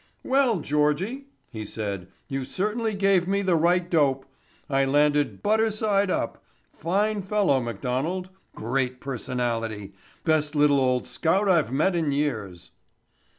"Well, Georgie," he said, "you certainly gave me the right dope. I landed buttered side up. Fine fellow, McDonald. Great personality. Best little old scout I've met in years."